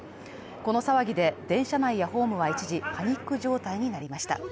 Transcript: この騒ぎで電車内やホームは一時パニック状態になりました。